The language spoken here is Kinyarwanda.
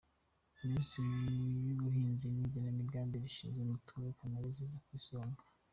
Minisiteri y’ubuhinzi, iy’igenamigambi, n’ishinzwe umutungo kamere ziza ku isonga.